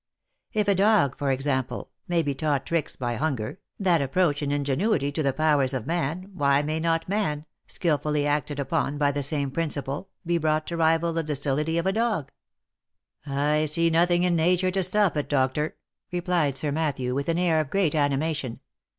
If a dog, for example, may be taught tricks by hunger, that approach in ingenuity to the powers of man, why may not man, skilfully acted upon by the same principle, be brought to rival the docility of a dog V " I see nothing in nature to stop it, doctor," replied Sir Matthew, with an air of great animation.